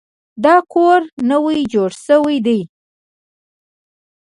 دا کور نوی جوړ شوی دی.